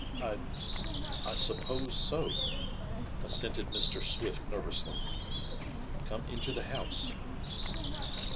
"I I suppose so," assented Mr. Swift nervously. "Come into the house."